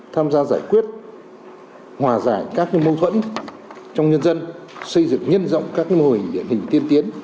tham gia giải quyết hòa giải các mâu thuẫn trong nhân dân xây dựng nhân rộng các mô hình điển hình tiên tiến